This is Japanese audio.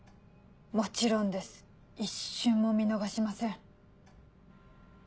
もちろんです一瞬も見逃しません。